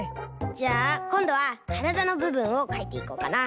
じゃあこんどはからだのぶぶんをかいていこうかな。